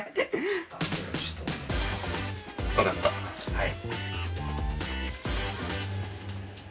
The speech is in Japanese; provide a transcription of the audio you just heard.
はい。